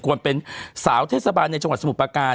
เป็นสาวเทศบาลในจังหวัดสมุทรประการ